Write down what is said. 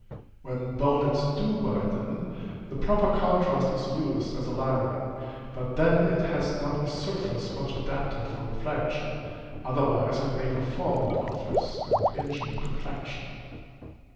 When bonnets do widen, the proper contrast is used as a lining; but then it has not a surface much adapted for reflection, otherwise it may perform that office, and injure the complexion.